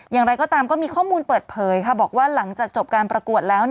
อย่างไรก็ตามก็มีข้อมูลเปิดเผยบอกว่าหลังจากจบการประกวดแล้ว